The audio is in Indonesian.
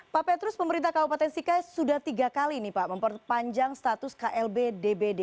pak petrus pemerintah kabupaten sika sudah tiga kali nih pak memperpanjang status klb dbd